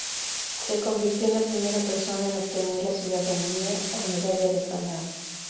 Se convirtió en la primera persona en obtener la ciudadanía honoraria de Palau.